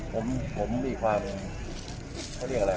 ผมมีความก็เรียกอะไร